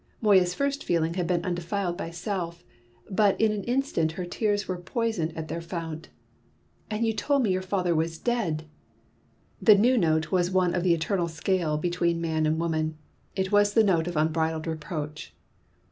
Moya's first feeling had been undefiled by self; but in an instant her tears were poisoned at their fount. "And you told me your father was dead!" The new note was one of the eternal scale between man and woman. It was the note of unbridled reproach.